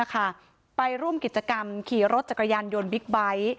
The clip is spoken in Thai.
ผู้ชายคนนึงไปร่วมกิจกรรมขี่รถจักรยานยนต์บิ๊กไบท์